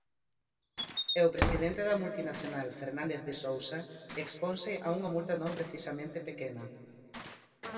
E o presidente da multinacional, Fernández de Sousa, exponse a unha multa non precisamente pequena.